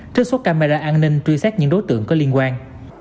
trước suốt camera an ninh truy xét những đối tượng có liên quan